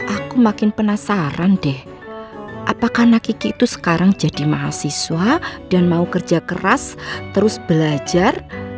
aku makin penasaran deh apakah anak kiki itu sekarang jadi mahasiswa dan mau kerja keras terus belajar